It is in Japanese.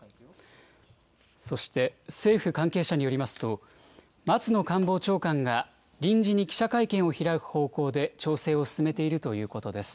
そして、政府関係者によりますと、松野官房長官が、臨時に記者会見を開く方向で調整を進めているということです。